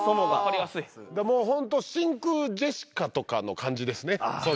もう本当真空ジェシカとかの感じですねそれ。